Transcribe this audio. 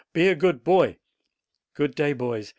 Be a good boy. Good day, boys.